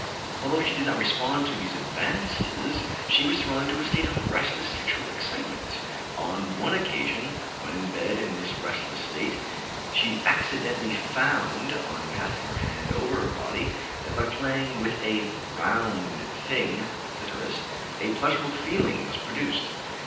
Although she did not respond to these advances, she was thrown into a state of restless sexual excitement; on one occasion, when in bed in this restless state, she accidentally found, on passing her hand over her body, that, by playing with "a round thing" [clitoris] a pleasurable feeling was produced.